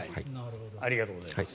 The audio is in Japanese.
ありがとうございます。